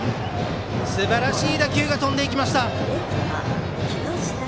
すばらしい打球が飛んでいきました。